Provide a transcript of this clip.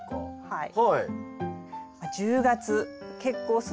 はい。